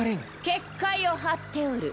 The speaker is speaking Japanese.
結界を張っておる。